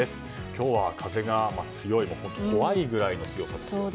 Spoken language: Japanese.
今日は風が強い本当、怖いぐらいの強さですね。